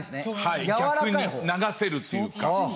逆に流せるっていうか。